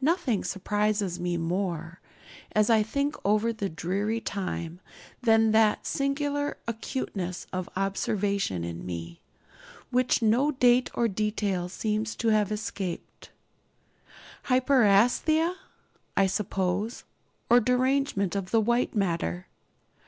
Nothing surprises me more, as I think over all that dreary time, than the singular acuteness of observation in me, which no date or detail seems to have escaped. 'Hyperæsthesia,' I suppose, or derangement of the white matter.